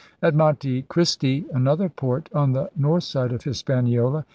At 'Monte Christi, another port on the north side of Hispaniola